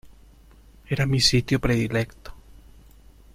Era mi sitio predilecto.